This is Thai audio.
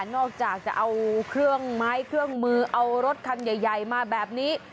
นอกจากจะเอาเครื่องไม้เครื่องมือเอารถคันใหญ่มาแบบนี้